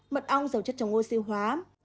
mật ong dầu chất chống ô siu hóa